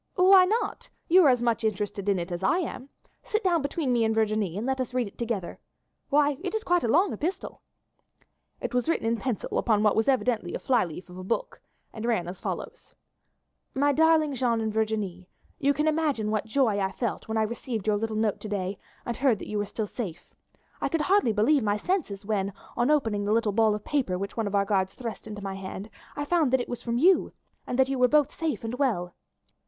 "Why not? You are as much interested in it as I am. Sit down between me and Virginie and let us read it together. Why, it is quite a long epistle." It was written in pencil upon what was evidently a fly leaf of a book, and ran as follows: "My darling Jeanne and Virginie, you can imagine what joy I felt when I received your little note to day and heard that you were still safe. I could hardly believe my senses when, on opening the little ball of paper which one of our guards thrust into my hand, I found that it was from you, and that you were both safe and well.